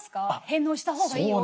「返納したほうがいいよ」